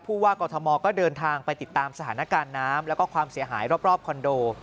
ว่ากอทมก็เดินทางไปติดตามสถานการณ์น้ำแล้วก็ความเสียหายรอบคอนโด